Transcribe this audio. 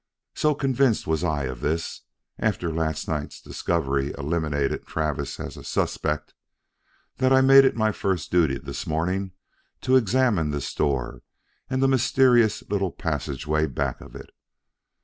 So convinced was I of this, after last night's discovery eliminated Travis as a suspect, that I made it my first duty this morning to examine this door and the mysterious little passageway back of it.